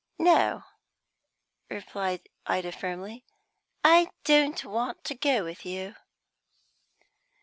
"No," replied Ida firmly. "I don't want to go with you."